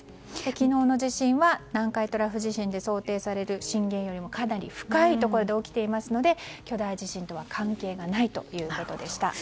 昨日の地震は南海トラフ地震で想定される震源よりも、かなり深いところで起きていますので巨大地震とは関係がないということでした。